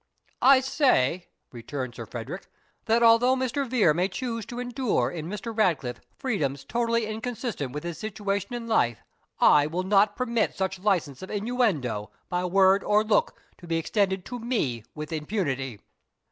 "I say," returned Sir Frederick, "that although Mr. Vere may choose to endure in Mr. Ratcliffe freedoms totally inconsistent with his situation in life, I will not permit such license of innuendo, by word or look, to be extended to me, with impunity."